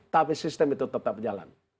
tapi sistem itu tetap jalan